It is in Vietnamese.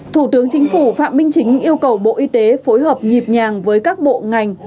thủ tướng chính phủ phạm minh chính yêu cầu bộ y tế phối hợp nhịp nhàng với các bộ ngành